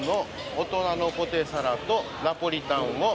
「大人のポテサラとナポリタンを」